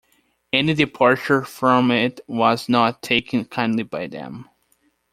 Any departure from it was not taken kindly by them.